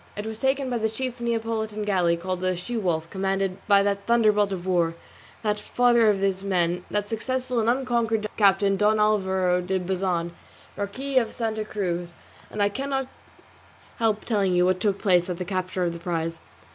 It was taken by the chief Neapolitan galley called the She wolf, commanded by that thunderbolt of war, that father of his men, that successful and unconquered captain Don Alvaro de Bazan, Marquis of Santa Cruz; and I cannot help telling you what took place at the capture of the Prize.